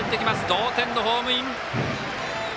同点のホームイン。